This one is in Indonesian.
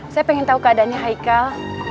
saya pengen tahu keadaannya haikal